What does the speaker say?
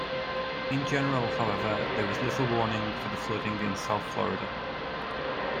In general, however, there was little warning for the flooding in South Florida.